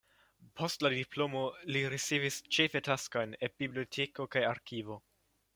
Post la diplomo li ricevis ĉefe taskojn eb biblioteko kaj arkivo.